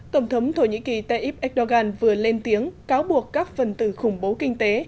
tổng thống thổ nhĩ kỳ tayyip erdogan vừa lên tiếng cáo buộc các phần tử khủng bố kinh tế